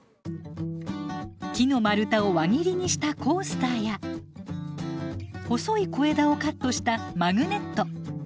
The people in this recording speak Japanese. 木の丸太を輪切りにしたコースターや細い小枝をカットしたマグネット。